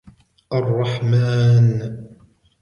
الرَّحْمَنُ